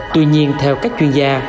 tuy nhiên theo các chuyên gia